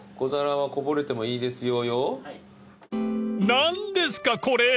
［何ですかこれ！］